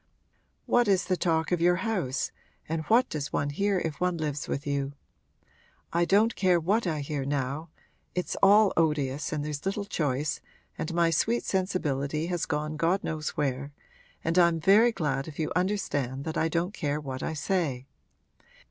What is the talk of your house and what does one hear if one lives with you? I don't care what I hear now (it's all odious and there's little choice and my sweet sensibility has gone God knows where!) and I'm very glad if you understand that I don't care what I say.